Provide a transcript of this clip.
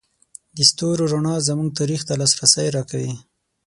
د ستورو رڼا زموږ تاریخ ته لاسرسی راکوي.